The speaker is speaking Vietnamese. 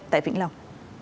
tại vĩnh long